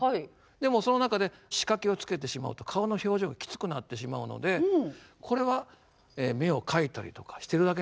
でもその中で仕掛けをつけてしまうと顔の表情がきつくなってしまうのでこれは目を描いたりとかしてるだけなんですね。